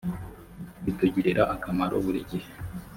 bitugirira akamaro buri gihe